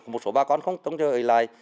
một số ba con không trở lại